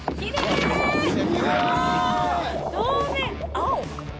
青！